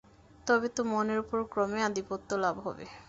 তবে তো মনের ওপর ক্রমে আধিপত্য লাভ হবে।